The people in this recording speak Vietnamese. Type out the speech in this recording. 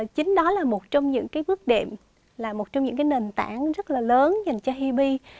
chính đó là một trong những cái bước đệm là một trong những nền tảng rất là lớn dành cho hip